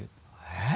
えっ？